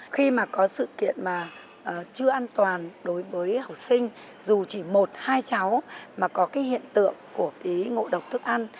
khi mà có sự kiện mà chưa an toàn đối với học sinh dù chỉ một hai cháu mà có cái hiện tượng của cái ngộ độc thức ăn